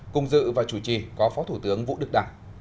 cùng dự và chủ trì có phó thủ tướng vũ đức đảng